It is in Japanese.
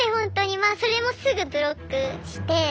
まあそれもすぐブロックして。